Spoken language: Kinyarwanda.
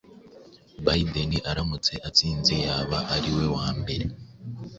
Biden aramutse atsinze yaba ari we wa mbere